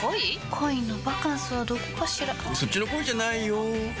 恋のバカンスはどこかしらそっちの恋じゃないよ